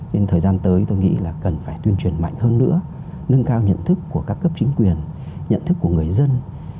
nên thời gian tới tôi nghĩ là cần phải tuyên truyền mạnh hơn nữa nâng cao nhận thức của các cấp chính quyền nhận thức của người dân